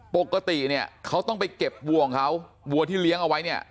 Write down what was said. ปกติเนี่ยเขาต้องไปเก็บวัวของเขาวัวที่เลี้ยงเอาไว้เนี่ย